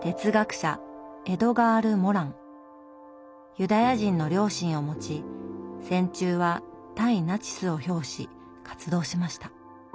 ユダヤ人の両親を持ち戦中は対ナチスを表し活動しました。